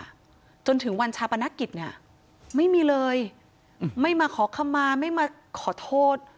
มาเลยอ่ะจนถึงวันชาปนักกิจเนี่ยไม่มีเลยไม่มาขอเข้ามาไม่มาขอโทษ